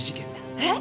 えっ！